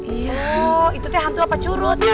iya itu tuh hantu apa curut